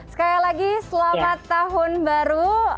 sekali lagi selamat tahun baru